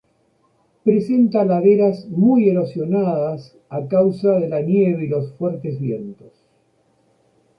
Presenta laderas muy erosionadas a causa de la nieve y los fuertes vientos.